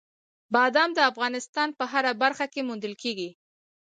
بادام د افغانستان په هره برخه کې موندل کېږي.